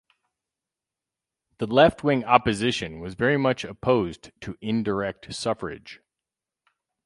The left wing opposition was very much opposed to indirect suffrage.